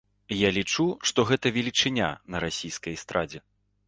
Я лічу, што гэта велічыня на расійскай эстрадзе.